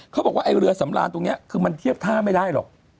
เขาบอกว่าไอ้เรือสำรานตรงนี้คือมันเทียบท่าไม่ได้หรอก